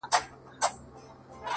قاضي صاحبه ملامت نه یم بچي وږي وه ـ